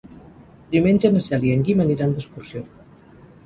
Diumenge na Cel i en Guim aniran d'excursió.